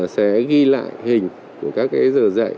sẽ ghi lại hình của các giờ dạy